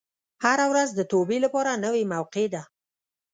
هره ورځ د توبې لپاره نوې موقع ده.